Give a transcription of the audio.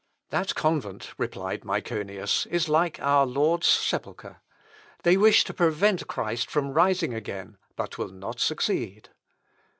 "That convent," replied Myconius, "is like our Lord's sepulchre; they wish to prevent Christ from rising again, but will not succeed."